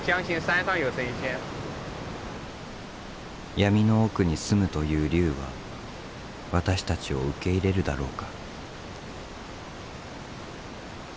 闇の奥に住むという龍は私たちを受け入れるだろうか。